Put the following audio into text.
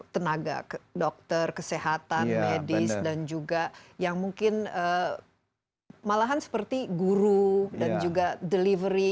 tenaga dokter kesehatan medis dan juga yang mungkin malahan seperti guru dan juga delivery